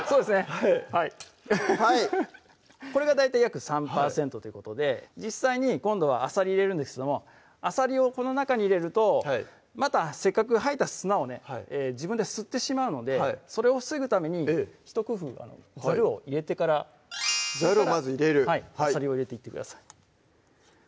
はいハハハハはいこれが大体約３％ということで実際に今度はあさり入れるんですけどもあさりをこの中に入れるとまたせっかく吐いた砂をね自分で吸ってしまうのでそれを防ぐためにひと工夫ザルを入れてからザルをまず入れるあさりを入れていってください